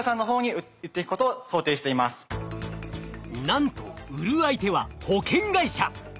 なんと売る相手は保険会社！